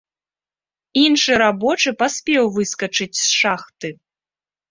Іншы рабочы паспеў выскачыць з шахты.